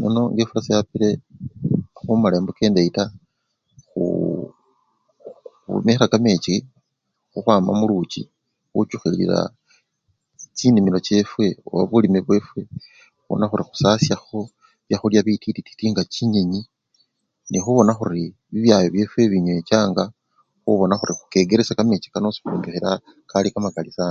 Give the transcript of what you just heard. Nono nga-efula seyapile khumala embuka endeyi taa, khuuu khwinikha kamechi khukhwama muluchi khuchukhilila chinimilo oba bulime bwefwe khubona khuri khusasha byakhulya bititi-titi nga luno chinyenyi, nekhubona khuri bibyayo byefwe binywechanga khubona khuri khukekelesha kamechi kano